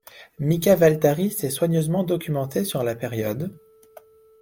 Mika Waltari s'est soigneusement documenté sur la période.